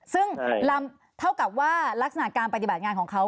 ซึ่งลำเท่ากับว่ารักษณะการปฏิบัติงานของเขา